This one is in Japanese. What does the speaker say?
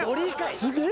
すげえ